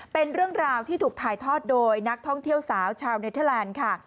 เป็นเรื่องราวที่ถูกถ่ายทอดโดยนักท่องเที่ยวสาวชาวเนเทอร์แลนด์ค่ะ